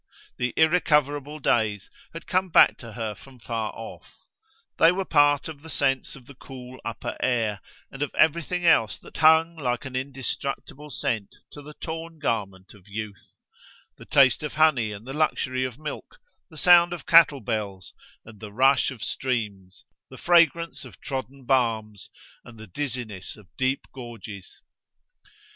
The irrecoverable days had come back to her from far off; they were part of the sense of the cool upper air and of everything else that hung like an indestructible scent to the torn garment of youth the taste of honey and the luxury of milk, the sound of cattle bells and the rush of streams, the fragrance of trodden balms and the dizziness of deep gorges.